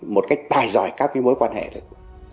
một cái tài giỏi các cái mối quan hệ được